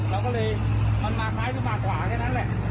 เราก็เลยมันมาซ้ายหรือมาขวาแค่นั้นแหละ